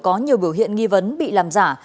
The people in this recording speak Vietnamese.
có nhiều biểu hiện nghi vấn bị làm giả